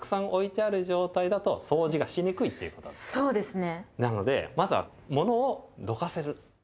そうですね。